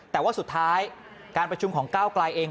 แต่ว่าสุดท้ายการประชุมของก้าวกลายเอง